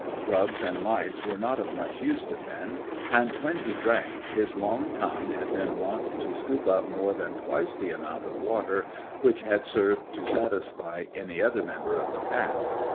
Grubs and mice were not of much use to Finn; and when he drank, his long tongue had been wont to scoop up more than twice the amount of water which had served to satisfy any other member of the pack.